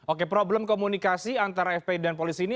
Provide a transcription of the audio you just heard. oke problem komunikasi antara fpi dan polisi ini